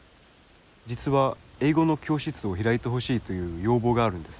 実は英語の教室を開いてほしいという要望があるんです。